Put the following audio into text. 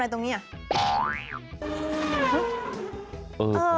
แล้วเนี่ยก็